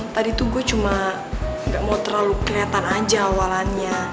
tadi tuh gue cuma gak mau terlalu kelihatan aja awalannya